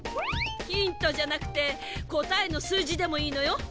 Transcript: ヒントじゃなくて答えの数字でもいいのよ？